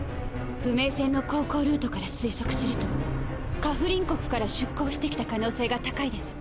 不明船の航行ルートから推測するとカフリン国から出港してきた可能性が高いです。